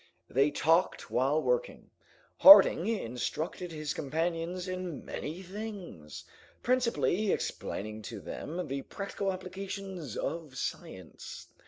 They talked while working. Harding instructed his companions in many things, principally explaining to them the practical applications of science.